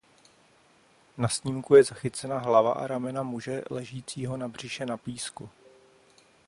Na snímku je zachycena hlava a ramena muže ležícího na břiše na písku.